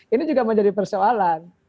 ini juga menjadi persoalan